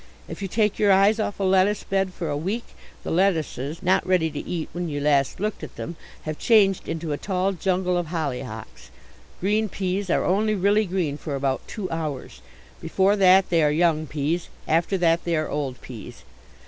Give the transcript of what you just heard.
If you take your eyes off a lettuce bed for a week the lettuces, not ready to eat when you last looked at them, have changed into a tall jungle of hollyhocks. Green peas are only really green for about two hours. Before that they are young peas; after that they are old peas.